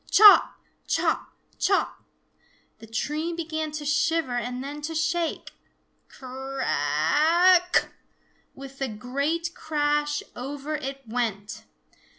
Chop, chop, chop! The tree began to shiver and then to shake. Cra a ck! With a great crash over it went!